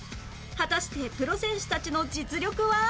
果たしてプロ選手たちの実力は？